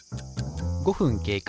５分経過。